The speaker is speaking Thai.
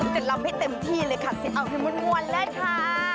จะรับให้เต็มที่เลยค่ะเอาให้มวลแล้วค่ะ